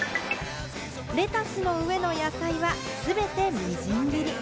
レタスの上の野菜は全てみじん切り。